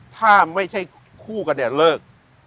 ถ้าไม่ใช่คู่กันเนี่ยเลิก